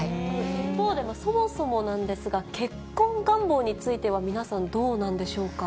でもそもそもなんですが、結婚願望については、皆さんどうなんでしょうか。